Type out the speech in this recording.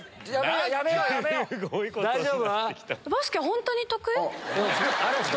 大丈夫？